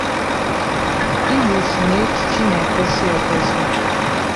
Igbo sị na echichi na-ekwesi ekwesi